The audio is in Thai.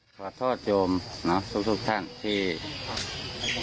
เดี๋ยวขออีกสักครั้งหนึ่ง